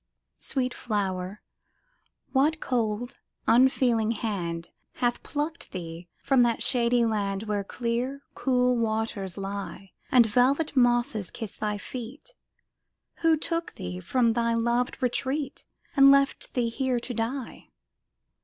Sweet flower, what cold, unfeeling hand Hath plucked thee from that shady land Where clear, cool waters lie, And velvet mosses kissed thy feet? Who took thee from thy loved retreat, And left thee here to die?